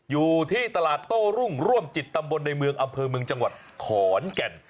อยู่ที่ตลาดโต้รุ่งร่วมจิตตำบลในเมืองอำเภอเมืองจังหวัดขอนแก่น